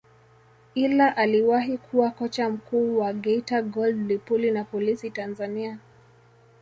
ila aliwahi kuwa kocha mkuu wa Geita Gold Lipuli na Polisi Tanzania